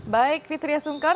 baik fitriya sungkar